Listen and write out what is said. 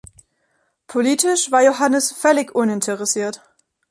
Politisch war Yohannes völlig uninteressiert.